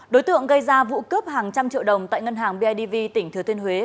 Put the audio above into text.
đối tượng gây ra vụ cướp hàng trăm triệu đồng tại ngân hàng bidv tỉnh thừa thiên huế